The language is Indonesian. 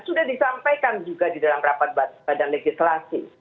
sudah disampaikan juga di dalam rapat badan legislasi